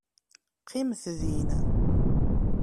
Qqimet din.